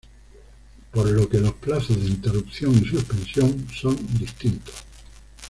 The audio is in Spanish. Por lo que los plazos de interrupción y suspensión son distintos.